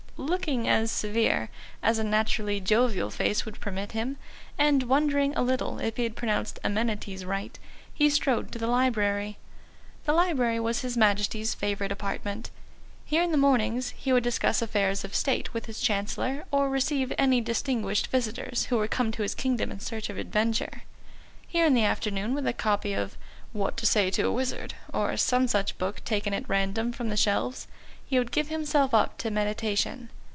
Looking as severe as a naturally jovial face would permit him, and wondering a little if he had pronounced "amenities" right, he strode to the library. The library was his Majesty's favourite apartment. Here in the mornings he would discuss affairs of state with his Chancellor, or receive any distinguished visitors who were to come to his kingdom in search of adventure. Here in the afternoon, with a copy of What to say to a Wizard or some such book taken at random from the shelves, he would give himself up to meditation.